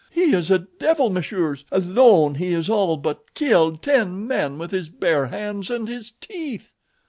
He is a devil, monsieurs; alone he has all but killed ten men with his bare hands and his teeth."